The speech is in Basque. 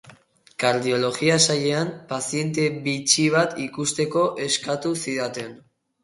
Kardiologia-sailean, paziente bitxi bat ikusteko eskatu zidaten.